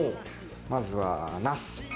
まずは、なす。